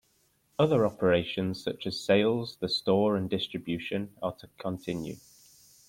Other operations, such as sales, the store and distribution are to continue.